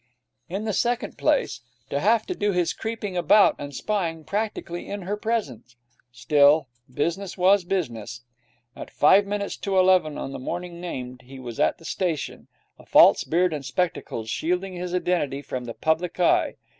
In the second place, to have to do his creeping about and spying practically in her presence Still, business was business. At five minutes to eleven on the morning named he was at the station, a false beard and spectacles shielding his identity from the public eye.